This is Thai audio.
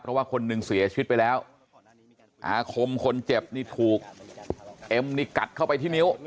เพราะว่าคนหนึ่งเสียชีวิตไปแล้วอาคมคนเจ็บนี่ถูกเอ็มนี่กัดเข้าไปที่นิ้ว